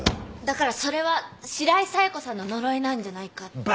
だからそれは白井冴子さんの呪いなんじゃないかって。